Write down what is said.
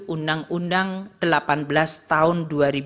undang undang delapan belas tahun dua ribu dua